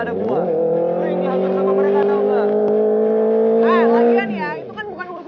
dia baru diaaktif emas setelah kuliah